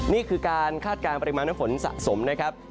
นี่คือการคาดการณ์ปริมาณน้ำฝนสะสมนะครับ